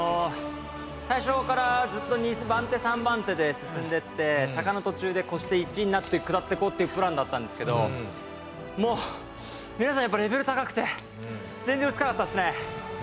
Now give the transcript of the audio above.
最初からずっと２番手３番手で進んでって坂の途中で越して１位になって下ってこうっていうプランだったんですけど皆さんレベル高くて全然追い付かなかったっすね。